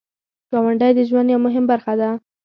ګاونډی د ژوند یو مهم برخه ده